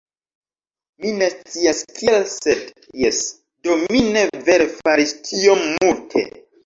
Mi ne scias kial sed, jes, do mi ne vere faris tiom multe